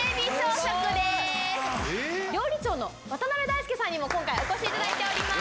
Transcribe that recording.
料理長の渡大介さんにも今回お越しいただいてます。